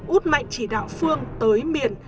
út mạnh chỉ đạo phương tới miền